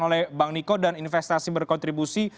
oleh bang niko dan investasi berkontribusi